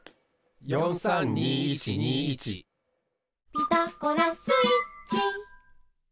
「ピタゴラスイッチ」